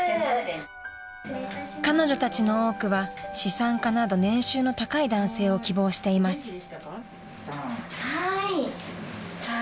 ［彼女たちの多くは資産家など年収の高い男性を希望しています］